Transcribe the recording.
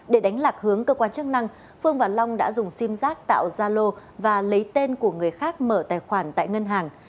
để đánh lạc hướng cơ quan chức năng phương và long đã dùng sim giác tạo zalo và lấy tên của người khác mở tài khoản tại ngân hàng